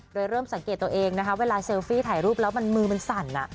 โดยเริ่มสังเกตตัวเองนะคะเวลาเซลฟี่ถ่ายรูปแล้วมันมือมันสั่น